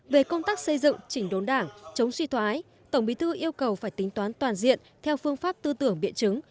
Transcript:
về công tác xây dựng chỉnh đốn đảng chống suy thoái tổng bí thư yêu cầu phải tính toán toàn diện theo phương pháp tư tưởng biện chứng